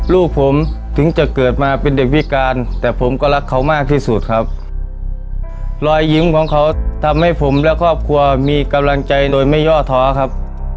ลูกผมถึงจะเกิดมาเป็นเด็กพิการแต่ผมก็รักเขามากที่สุดครับรอยยิ้มของเขาทำให้ผมและครอบครัวมีกำลังใจโดยไม่ย่อท้อครับ